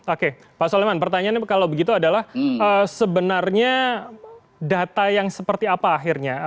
oke pak soleman pertanyaannya kalau begitu adalah sebenarnya data yang seperti apa akhirnya